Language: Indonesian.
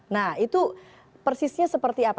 nah itu persisnya seperti apa